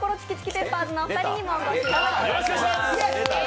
ペッパーズのお二人にもお越しいただきました。